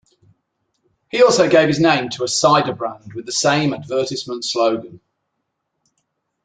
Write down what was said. He also gave his name to a cider brand with the same advertisement slogan.